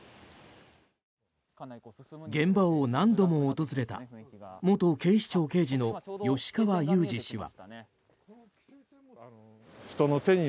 現場を何度も訪れた元警視庁刑事の吉川祐二氏は。